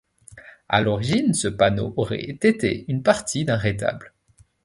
À l'origine ce panneau aurait été une partie d'un retable.